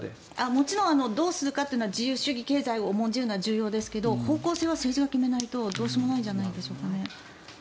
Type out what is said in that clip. もちろんどうするかというのは自由主義経済を重んじるのは重要ですが方向性は政治が決めないとどうしようもないんじゃないでしょうかね。